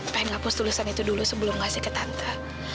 pengen ngapus tulisan itu dulu sebelum ngasih ke tante